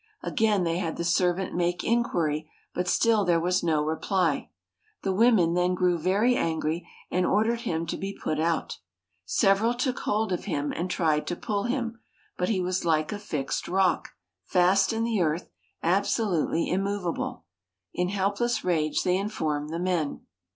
Again they had the servant make inquiry, but still there was no reply. The women then grew very angry, and ordered him to be put out. Several took hold of him and tried to pull him, but he was like a fixed rock, fast in the earth, absolutely immovable. In helpless rage they informed the men.